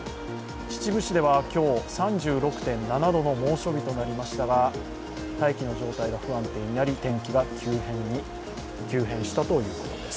秩父市では今日、３６．７度の猛暑日となりましたが大気の状況が不安定となり天気が急変したということです。